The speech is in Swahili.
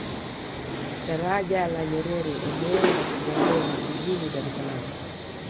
Daraja la Nyerere eneo la Kigamboni jijini Dar es salaam